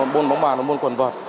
bôn bóng bàn và bôn quần vợt